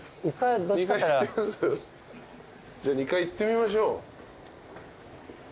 じゃあ２階行ってみましょう。